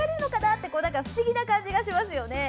って不思議な感じがしますよね。